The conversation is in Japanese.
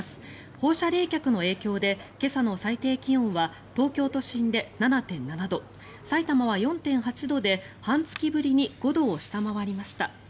放射冷却の影響で今朝の最低気温は東京都心で７．７度さいたまは４．８度で半月ぶりに５度を下回りました。